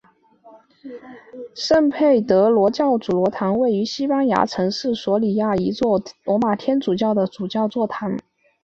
圣佩德罗主教座堂是位于西班牙城市索里亚的一座罗马天主教的主教座堂。